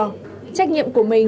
trách nhiệm của mình ở môi trường